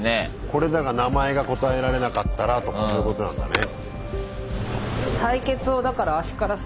これで名前が答えられなかったらとかそういうことなんだね。